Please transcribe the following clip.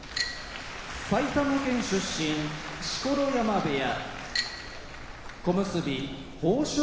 埼玉県出身錣山部屋小結豊昇